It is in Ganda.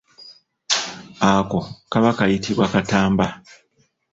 Ako kaba kayitibwa katamba.